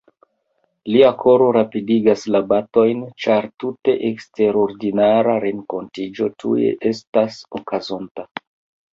Lia koro rapidigas la batojn ĉar tute eksterordinara renkontiĝo tuj estas okazonta.